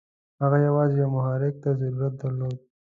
هغه یوازې یوه محرک ته ضرورت درلود.